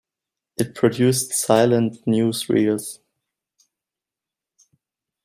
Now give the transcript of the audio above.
It produced silent newsreels.